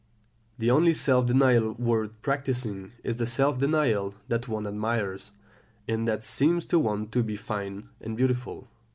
The only self denial worth practising is the self denial that one admires, and that seems to one to be fine and beautiful.